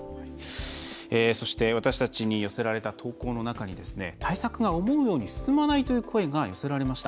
私たちに寄せられた投稿の中に対策が思うように進まないという声が寄せられました。